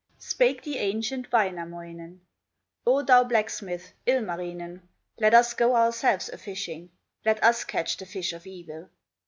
Spake the ancient Wainamoinen: "O thou blacksmith, Ilmarinen, Let us go ourselves a fishing, Let us catch the fish of evil!"